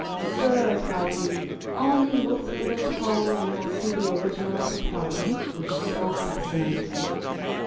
"Sir," cried he, "only look through this hole, and you will see the original of the portrait which so fascinated you."